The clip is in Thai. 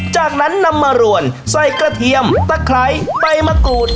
จากนั้นนำมารวนใส่กระเทียมตะไคร้ใบมะกรูด